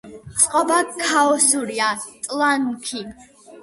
წყობა ქაოსურია, ტლანქი.